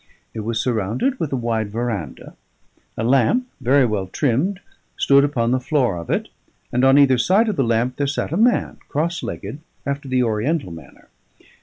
It was surrounded with a wide verandah; a lamp, very well trimmed, stood upon the floor of it, and on either side of the lamp there sat a man, cross legged, after the Oriental manner.